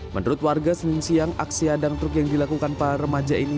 menurut warga senin siang aksi hadang truk yang dilakukan para remaja ini